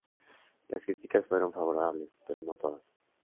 Las críticas fueron favorables, pero no todas.